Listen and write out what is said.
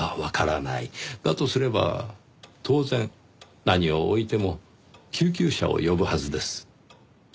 だとすれば当然何をおいても救急車を呼ぶはずです。